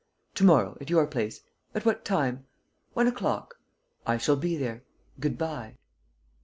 "To morrow, at your place. At what time?" "One o'clock." "I shall be there. Good bye."